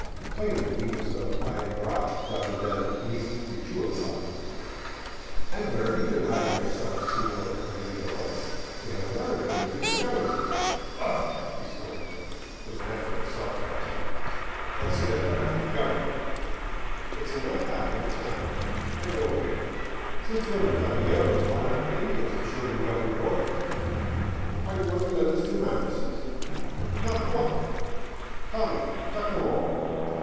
Plainly he was of Aymara rather than meek Quichua blood. " And where have you been hiding yourself, senor corregidor? We have a letter for you from the government." " Ugh !" he snorted, with an effort at sarcasm. " Let 's see that letter from the government." ''It is in my pack in the chapel." " Bring it over here." " Since when have caballeros run after Indians to show them gov ernment orders ? Are you going to lend us two mattresses ?"" Not one !"" Tommy, chuck them over."